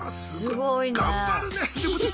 すごいね。